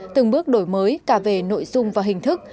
từng bước đổi mới cả về nội dung và hình thức